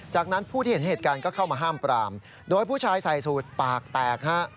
จากนั้นผู้ที่เห็นเหตุการณ์ก็เข้ามาห้ามปรามโดยผู้ชายใส่สูตรปากแตกฮะ